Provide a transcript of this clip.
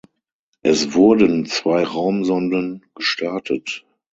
Es wurden zwei Raumsonden gestartet.